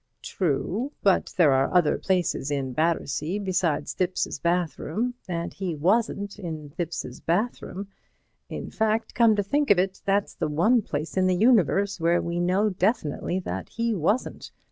"True. But there are other places in Battersea besides Thipps's bathroom. And he wasn't in Thipps's bathroom. In fact, come to think of it, that's the one place in the universe where we know definitely that he wasn't.